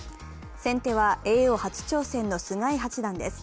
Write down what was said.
先手は叡王初挑戦の菅井八段です。